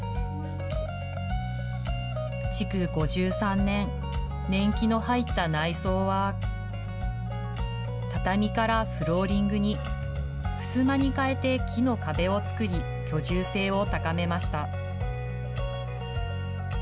築５３年、年季の入った内装は、畳からフローリングに、ふすまにかえて木の壁を作り、居住性を高めました。